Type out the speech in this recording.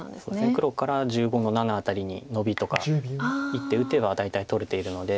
黒から１５の七辺りにノビとか１手打てば大体取れているので。